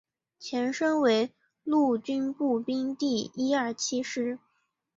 前身为陆军步兵第一二七师